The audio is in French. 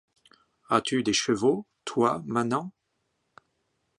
As-tu des chevaux, toi, manant ?